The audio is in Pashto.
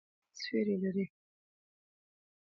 د چنار ونه سیوری لري